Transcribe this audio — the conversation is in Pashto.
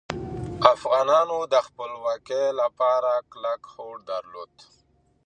افغانانو د خپلواکۍ لپاره کلک هوډ درلود.